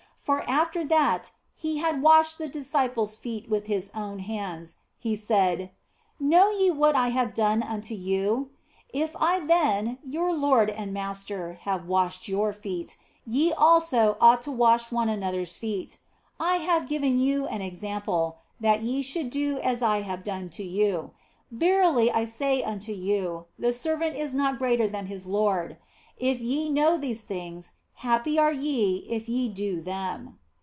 For after that He had washed the disciples feet with His own hands, He said :" Know ye what I have done unto you ? If I then, your Lord and Master, have washed your feet, ye also ought to wash one another s feet. I have given you an example, that ye should do as I have done to you. Verily I say unto you, the servant is not greater than his lord. If ye know these things, happy are ye if ye do them."